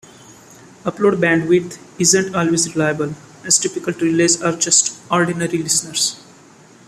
Upload bandwidth isn't always reliable, as typical relays are just ordinary listeners.